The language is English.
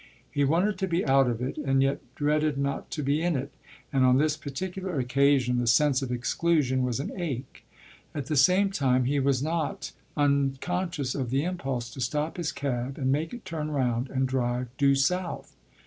He wanted to be out of it and yet dreaded not to be in it, and on this particular occasion the sense of exclusion was an ache. At the same time he was not unconscious of the impulse to stop his cab and make it turn round and drive due south.